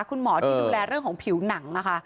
คุณหมอที่ดูแลเรื่องของผิวหนังนะคะ